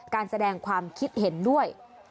การแสดงความคิดเห็นด้วย